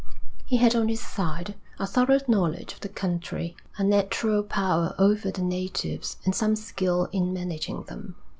He had on his side a thorough knowledge of the country, a natural power over the natives, and some skill in managing them.